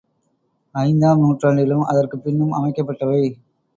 ஐந்தாம் நூற்றாண்டிலும் அதற்குப் பின்னும் அமைக்கப்பட்டவை.